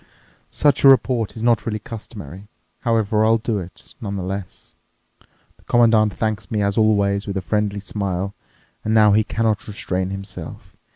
Such a report is not really customary; however, I'll do it, nonetheless. The Commandant thanks me, as always, with a friendly smile. And now he cannot restrain himself.